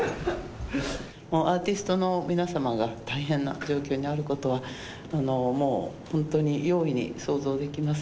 アーティストの皆様が大変な状況にあることは、もう本当に容易に想像できます。